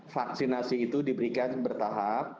vaksinasi itu diberikan bertahap